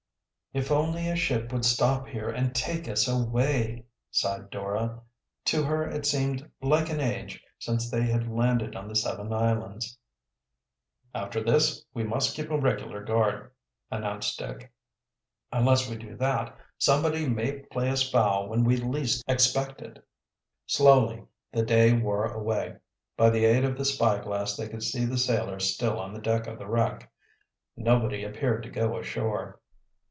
"If only a ship would stop here and take us away!" sighed Dora. To her it seemed like an age since they had landed on the seven islands. "After this we must keep a regular guard," announced Dick. "Unless we do that, somebody may play us foul when we least expect it." Slowly the day wore away. By the aid of the spyglass they could see the sailors still on the deck of the wreck. Nobody appeared to go ashore.